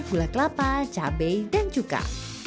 gula kelapa cabai dan cuka